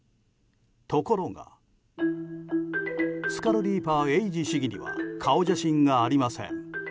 ところがスカルリーパー・エイジ市議には顔写真がありません。